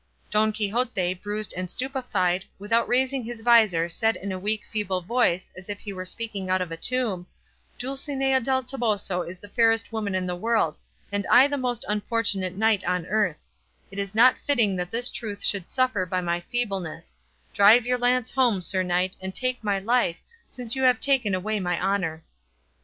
Don Quixote, bruised and stupefied, without raising his visor said in a weak feeble voice as if he were speaking out of a tomb, "Dulcinea del Toboso is the fairest woman in the world, and I the most unfortunate knight on earth; it is not fitting that this truth should suffer by my feebleness; drive your lance home, sir knight, and take my life, since you have taken away my honour."